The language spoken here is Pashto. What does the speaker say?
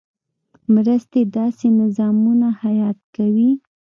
مرستې داسې نظامونه حیات کوي.